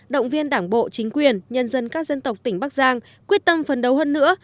động viên đảng bộ chính quyền nhân dân các dân tộc tỉnh bắc giang quyết tâm phấn đấu hơn nữa